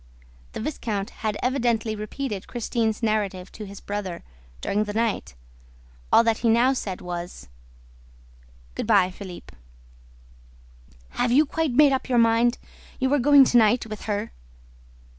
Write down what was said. The viscount had evidently repeated Christine's narrative to his brother, during the night. All that he now said was: "Good by, Philippe." "Have you quite made up your mind? You are going to night? With her?"